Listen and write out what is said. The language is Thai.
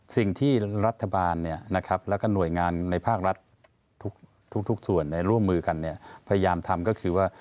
สิ่งที่รัฐบาลแล้วก็หน่วยงานในภาครัฐทุกส่วนร่วมมือกันพยายามทำก็คือว่า